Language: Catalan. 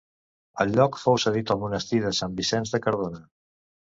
El lloc fou cedit al monestir de Sant Vicenç de Cardona.